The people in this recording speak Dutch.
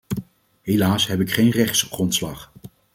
Helaas heb ik geen rechtsgrondslag.